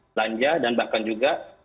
belanja dan bahkan juga